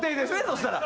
そしたら。